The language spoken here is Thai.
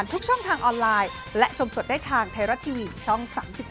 มันยังไม่น่าถัดแล้วมั้ง